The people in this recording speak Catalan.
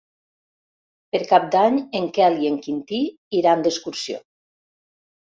Per Cap d'Any en Quel i en Quintí iran d'excursió.